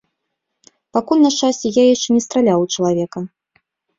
Пакуль, на шчасце, я яшчэ не страляў у чалавека.